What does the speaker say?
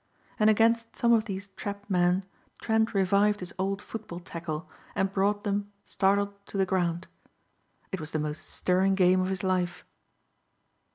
And against some of these trapped men Trent revived his old football tackle and brought them startled to the ground. It was the most stirring game of his life.